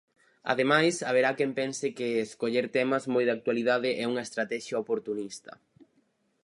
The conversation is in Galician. Ademais, haberá quen pense que escoller temas moi de actualidade é unha estratexia oportunista.